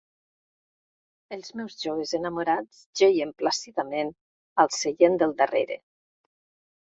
Els meus joves enamorats jeien plàcidament al seient del darrere.